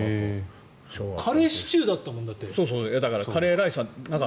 カレーシチューだったもん。